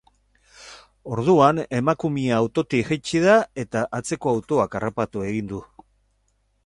Orduan, emakumea autotik jaitsi da eta atzeko autoak harrapatu egin du.